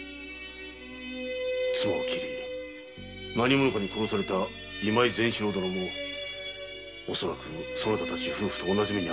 妻を斬り何者かに殺された今井善四郎殿も恐らくそなた夫婦と同じ目に。